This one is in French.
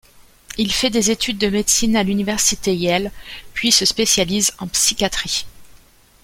Il fait des études de médecine à l'université Yale, puis se spécialise en psychiatrie.